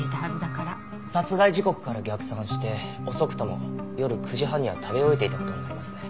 殺害時刻から逆算して遅くとも夜９時半には食べ終えていた事になりますね。